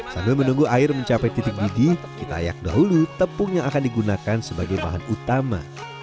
sambil menunggu air mencapai titik didih kita ayak dahulu tepung yang akan digunakan sebagai bahan utama